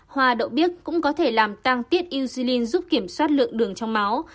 hoa đậu biếc cũng có thể làm tăng tiết ucin giúp kiểm soát lượng đường trong máu